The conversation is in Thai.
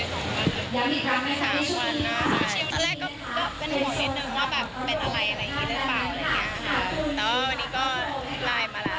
แล้ววันนี้ก็ลายมาแล้วค่ะ